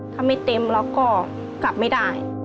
ถ้าไม่เต็มเราก็กลับไม่ได้